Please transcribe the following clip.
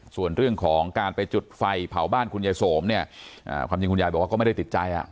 ส่วนเรื่องของการไปจุดไฟเผาบ้านคุณยายสมเนี่ยความจริงคุณยายบอกว่าก็ไม่ได้ติดใจอ่ะ